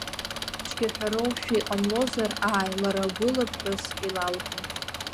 Цәгьаҳәароушәа иҟамлозар, ааи, лара гәыла ԥҳәыск илалҳәон.